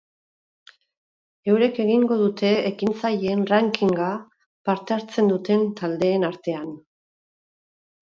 Eurek egingo dute ekintzaileen rankinga parte hartzen duten taldeen artean.